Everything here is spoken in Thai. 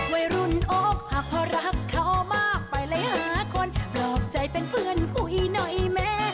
วัยรุ่นอกหักพอรักเขามากไปเลยหาคนปลอบใจเป็นเพื่อนกูอีกหน่อยแม่